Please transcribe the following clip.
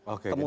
oke jadi untuk